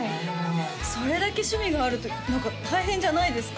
それだけ趣味があると何か大変じゃないですか？